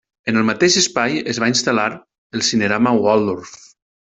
En el mateix espai es va instal·lar el cinerama Waldorf.